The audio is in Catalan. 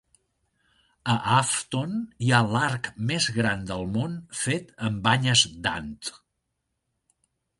A Afton hi ha l'arc més gran del món fet amb banyes d'ant.